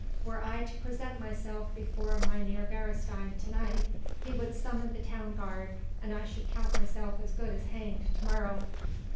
"Were I to present myself before Mynheer Beresteyn to night, he would summon the town guard and I should count myself as good as hanged to morrow."